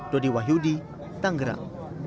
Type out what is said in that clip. dodi wahyudi tanggerang